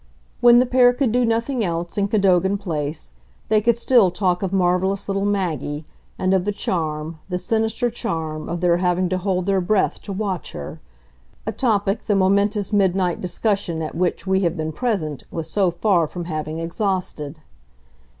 When the pair could do nothing else, in Cadogan Place, they could still talk of marvellous little Maggie, and of the charm, the sinister charm, of their having to hold their breath to watch her; a topic the momentous midnight discussion at which we have been present was so far from having exhausted.